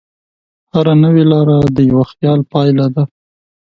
هره نوې لار د یوه خیال پایله ده.